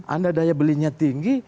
anda daya belinya tinggi